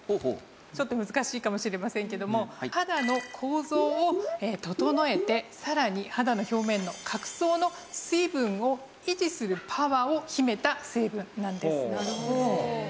ちょっと難しいかもしれませんけども肌の構造を整えてさらに肌の表面の角層の水分を維持するパワーを秘めた成分なんです。